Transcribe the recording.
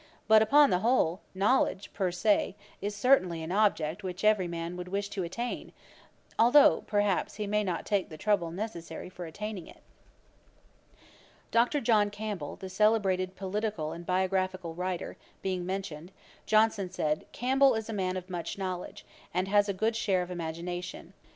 But, upon the whole, knowledge, per se, is certainly an object which every man would wish to attain, although, perhaps, he may not take the trouble necessary for attaining it.' [Page 418: Churchill's attack on Johnson. A.D. 1763.] Dr. John Campbell, the celebrated political and biographical writer, being mentioned, Johnson said, 'Campbell is a man of much knowledge, and has a good share of imagination.